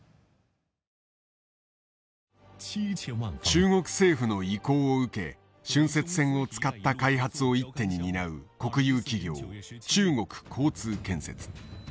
中国政府の意向を受け浚渫船を使った開発を一手に担う国有企業中国交通建設。